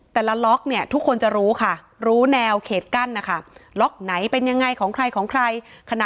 แต่ละล็อกทุกคนจะรู้ค่ะรู้แนวเขตกั้นนะคะ